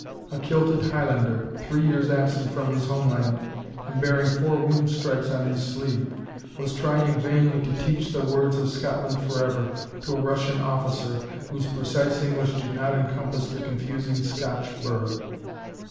A kilted Highlander, three years absent from his homeland and bearing four wound stripes on his sleeve, was trying vainly to teach the words of "Scotland Forever" to a Russian officer whose precise English did not encompass the confusing Scotch burr.